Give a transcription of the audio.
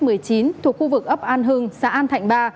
thuộc khu vực ấp an hưng xã an thạnh ba